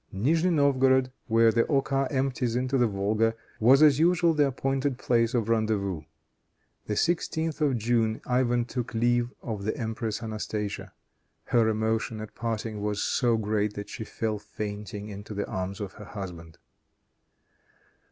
Nigni Novgorod, where the Oka empties into the Volga, was as usual the appointed place of rendezvous. The 16th of June Ivan took leave of the Empress Anastasia. Her emotion at parting was so great that she fell fainting into the arms of her husband.